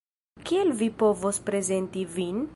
Kiel vi povos prezenti vin?